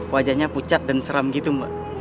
wajahnya pucat dan seram gitu mbak